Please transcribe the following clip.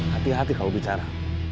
hati hati kalau bicara